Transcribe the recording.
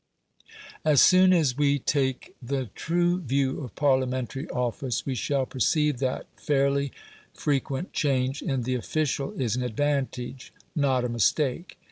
As soon as we take the true view of Parliamentary office we shall perceive that, fairly, frequent change in the official is an advantage, not a mistake.